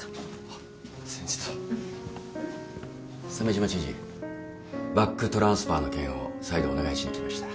鮫島知事バックトランスファーの件を再度お願いしに来ました。